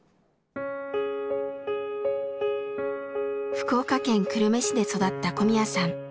福岡県久留米市で育った小宮さん。